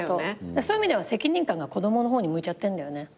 そういう意味では責任感が子供の方に向いちゃってんだよね。